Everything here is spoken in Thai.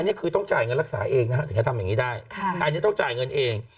อันนี้คือต้องจ่ายเงินรักษาเองนะฮะถึงจะทำอย่างนี้ได้อันนี้ต้องจ่ายเงินเอง